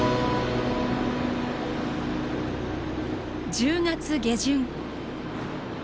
１０月下旬。